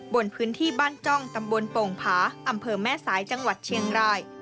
บนพื้นที่บ้านจ้องตำบลโป่งผาอำเภอแม่สายจังหวัดเชียงราย